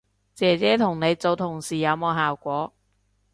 姐姐同你做同事有冇效果